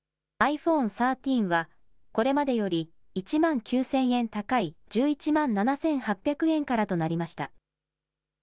ｉＰｈｏｎｅ１３はこれまでより１万９０００円高い１１万７８００円からとなりました。